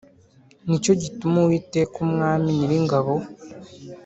Ni cyo gituma Uwiteka Umwami Nyiringabo